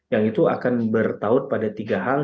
yang itu akan bertaut pada tiga hal